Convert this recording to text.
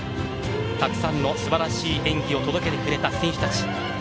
たくさんの素晴らしい演技を届けてくれた選手たち